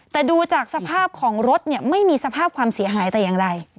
แต่ดูจากสภาพของรถเนี่ยไม่มีสภาพความเสียหายแต่อย่างไร